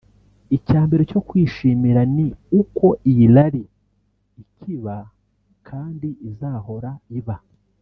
Icya mbere cyo kwishimira ni uko iyi Rally ikiba kandi izahora iba